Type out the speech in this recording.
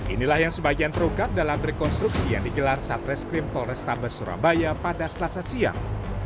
inilah yang sebagian terungkap dalam rekonstruksi yang digelar saat reskrim polrestabes surabaya pada selasa siang